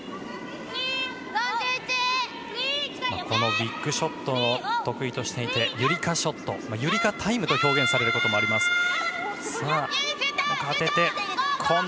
このウイッグショットを得意としていて夕梨花ショット、夕梨花タイムと表現されることもあります。